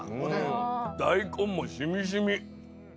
大根もしみしみ。